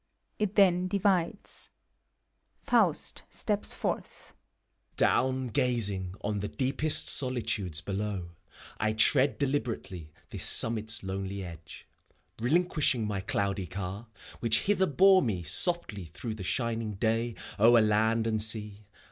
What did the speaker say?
It then divides. 188 FAUST. FAUST {steps forth), DOWN GAZING on the deepest solitudes below, I tread deliberately this summit's lonely edge, Relinquishing my cloudy car, which hither bore Me softly through the shining day o'er land and sea.